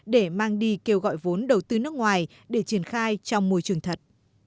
để mang đi kêu gọi vốn đầu tư nước ngoài để triển khai trong môi trường thật